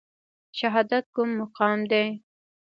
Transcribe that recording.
شهادت کوم مقام دی؟